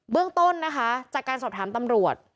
เรื่องต้นนะคะจากการสอบถามตำรวจ